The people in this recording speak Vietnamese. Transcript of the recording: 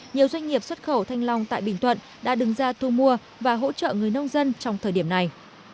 nhiều doanh nghiệp xuất khẩu thanh long tại bình thuận đã đứng ra thu mua và hỗ trợ người nông dân trong thời điểm này